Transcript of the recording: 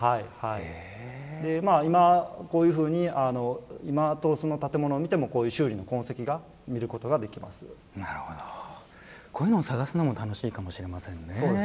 今、こういうふうに今、その建物を見てもこういう修理の痕跡がこういうのを探すのも楽しいかもしれませんね。